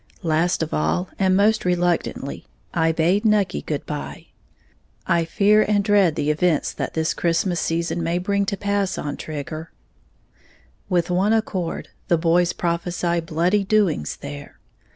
Last of all, and most reluctantly, I bade Nucky goodbye. I fear and dread the events that this Christmas season may bring to pass on Trigger, with one accord, the boys prophesy "bloody doings" there.